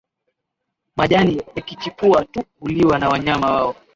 Majani yakichipua tu huliwa na wanyama hao